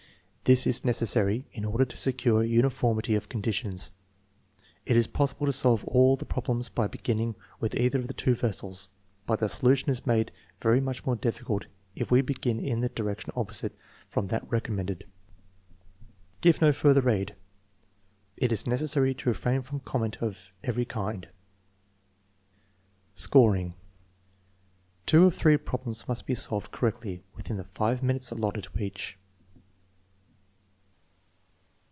This is necessary in order to secure uniformity of conditions. It is possible to solve all of the problems by beginning with either of the two vessels, but the solution SUPERIOR ADULT, 6 347 is made very much more difficult if we begin in the direc tion opposite from that recommended. Give no further aid. It is necessary to refrain from com ment of every kind. Scoring. Two of the three problems must be solved cor rectly within the 5 minutes alloted to each.